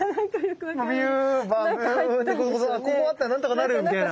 ここだったら何とかなるみたいな。